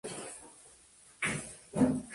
Se encuentra sólo en Canadá.